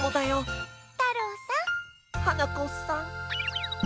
はなこさん。